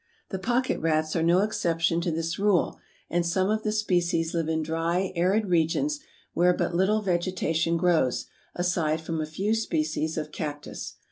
The Pocket Rats are no exception to this rule and some of the species live in dry, arid regions where but little vegetation grows, aside from a few species of cactus.